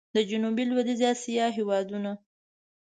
د جنوب لوېدیځي اسیا هېوادونه